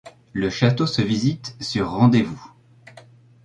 Le château se visite sur rendez-vous.